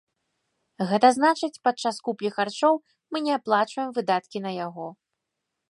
Гэта значыць, падчас куплі харчоў мы не аплачваем выдаткі на яго.